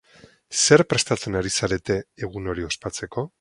Zer prestatzen ari zarete egun hori ospatzeko?